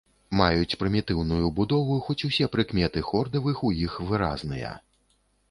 Маюць прымітыўную будову, хоць усе прыкметы хордавых у іх выразныя.